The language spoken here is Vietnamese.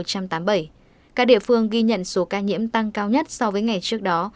các địa phương ghi nhận số ca nhiễm tăng cao nhất so với ngày trước đó